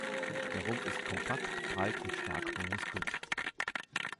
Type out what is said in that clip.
Der Rumpf ist kompakt, breit und stark bemuskelt.